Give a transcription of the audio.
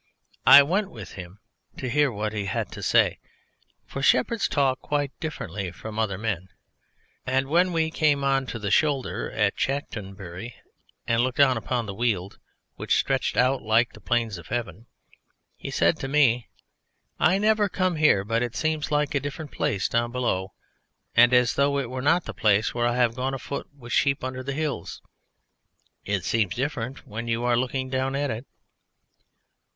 I went with him to hear what he had to say, for shepherds talk quite differently from other men. And when we came on to the shoulder of Chanctonbury and looked down upon the Weald, which stretched out like the Plains of Heaven, he said to me: "I never come here but it seems like a different place down below, and as though it were not the place where I have gone afoot with sheep under the hills. It seems different when you are looking down at it."